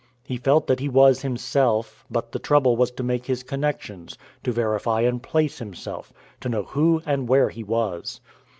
He felt that he was himself; but the trouble was to make his connections, to verify and place himself, to know who and where he was.